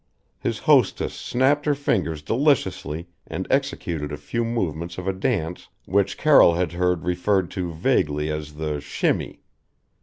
His hostess snapped her fingers deliciously and executed a few movements of a dance which Carroll had heard referred to vaguely as the shimmy.